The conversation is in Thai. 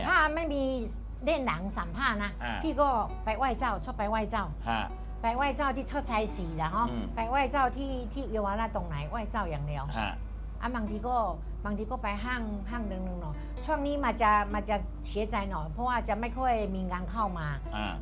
ถ้าไม่มีเล่นหลังสัมภาษณ์นะพี่ก็ไปไหว้เจ้าชอบไปไหว้เจ้า